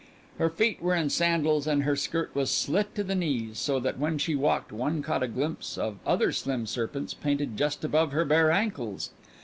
Her feet were in sandals and her skirt was slit to the knees, so that when she walked one caught a glimpse of other slim serpents painted just above her bare ankles.